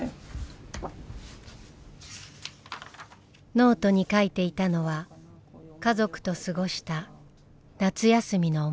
ノートに書いていたのは家族と過ごした夏休みの思い出でした。